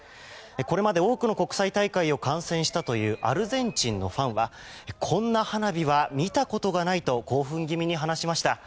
これまで多くの国際大会を観戦したというアルゼンチンのファンはこんな花火は見たことがないと興奮気味に話しました。